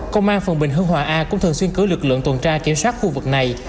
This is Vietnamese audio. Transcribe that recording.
công an phường bình hưng hòa a cũng thường xuyên cử lực lượng tuần tra kiểm soát khu vực này